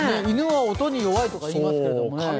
犬は音に弱いとかいいますけどね。